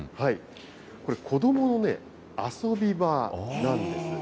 これ、子どもの遊び場なんです。